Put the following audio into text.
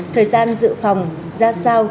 thời gian dự phòng ra sao